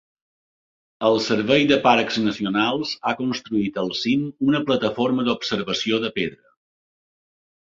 El Servei de Parcs Nacionals ha construït al cim una plataforma d'observació de pedra.